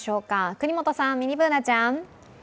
國本さん、ミニＢｏｏｎａちゃん。